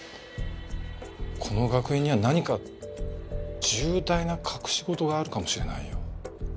この学園には何か重大な隠し事があるかもしれないよ。